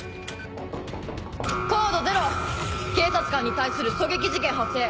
コード０！警察官に対する狙撃事件発生。